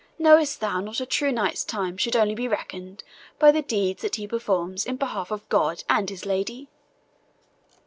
Knowest thou not a true knight's time should only be reckoned by the deeds that he performs in behalf of God and his lady?"